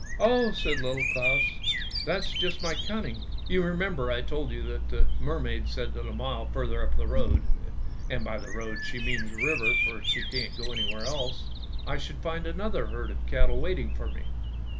"Oh," said Little Claus, "that's just my cunning; you remember I told you that the mermaid said that a mile further up the road — and by the road she means the river, for she can't go anywhere else — I should find another herd of cattle waiting for me.